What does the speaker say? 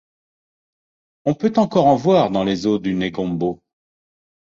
On peut encore en voir dans les eaux de Negombo.